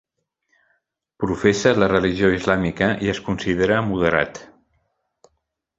Professa la religió islàmica, i es considera moderat.